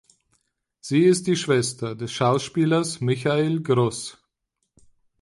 Sie ist die Schwester des Schauspielers Michael Gross.